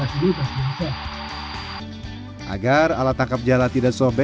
cukup beresiko tapi kalau